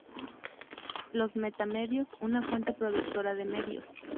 Los meta-medios una fuente productora de medios.